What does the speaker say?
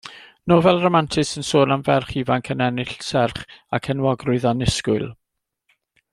Nofel ramantus yn sôn am ferch ifanc yn ennill serch ac enwogrwydd annisgwyl.